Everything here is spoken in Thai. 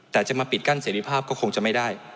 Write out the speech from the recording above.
แต่จะมาปิดกั้นเสรีภาพก็คงจะไม่ได้